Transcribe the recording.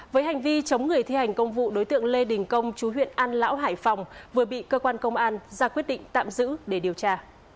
với hành vi chống người thi hành công vụ đối tượng lê đình công chú huyện an lão hải phòng vừa bị cơ quan công an ra quyết định tạm giữ để điều tra